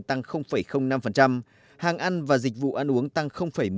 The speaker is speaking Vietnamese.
tăng năm hàng ăn và dịch vụ ăn uống tăng một mươi